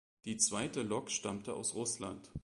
Die zweite Lok stammte aus Russland.